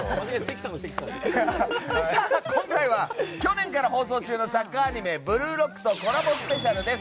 今回は去年から放送中のサッカーアニメ「ブルーロック」とコラボスペシャルです。